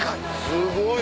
すごい。